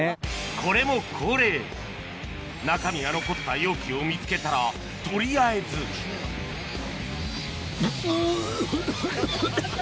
これも恒例中身が残った容器を見つけたら取りあえずオエ！